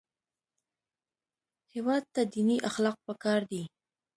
هېواد ته دیني اخلاق پکار دي